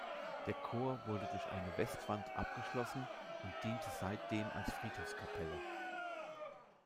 Der Chor wurde durch eine Westwand abgeschlossen und diente seitdem als Friedhofskapelle.